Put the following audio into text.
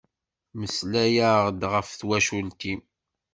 Melslay-aɣ-d ɣef twacult-im!